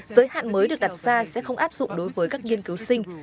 giới hạn mới được đặt ra sẽ không áp dụng đối với các nghiên cứu sinh